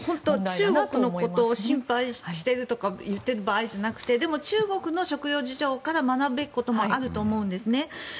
中国のことを心配しているとか言っている場合じゃなくてでも、中国の食料事情から学ぶべきこともあると思うんですね。